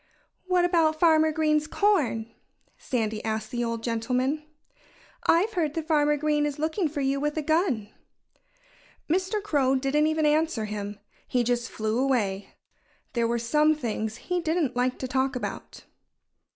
"What about Farmer Green's corn?" Sandy asked the old gentleman. "I've heard that Farmer Green is looking for you with a gun." Mr. Crow didn't even answer him. He just flew away. There were some things he didn't like to talk about.